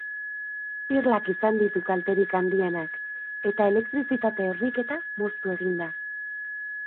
Irlak izan ditu kalterik handienak, eta elektrizitate horniketa moztu egin da.